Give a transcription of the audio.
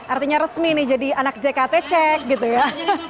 artinya resmi nih jadi anak jkt cek gitu ya